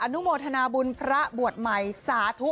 นุโมทนาบุญพระบวชใหม่สาธุ